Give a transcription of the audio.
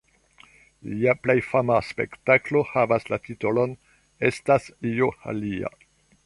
Lia plej fama spektaklo havas la titolon "Estas io alia".